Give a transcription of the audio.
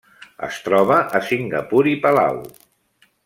Es troba a Singapur i Palau.